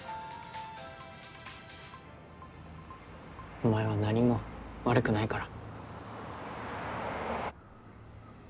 お前は何も悪くないから。